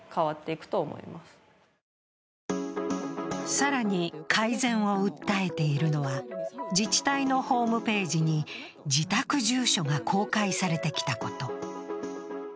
更に改善を訴えているのは自治体のホームページに自宅住所が公開されてきたこと。